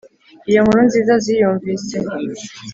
Iyo nkuru nziza ziyumvise